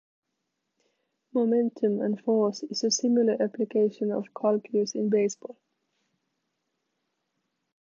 Momentum and force is a similar application of calculus in baseball.